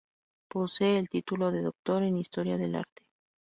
Posee el título de Doctor en Historia del Arte.